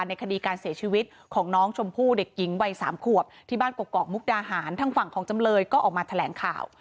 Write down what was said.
ในคดีการเสียชีวิตของน้องชมพู่เด็กหญิงวัยสามขวบที่บ้านกกอกมุกดาหารทางฝั่งของจำเลยก็ออกมาแถลงข่าว